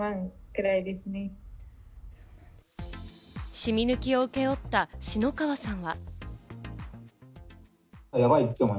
染み抜きを請け負った篠川さんは。